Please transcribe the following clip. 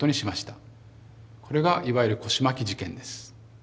これがいわゆる腰巻事件です。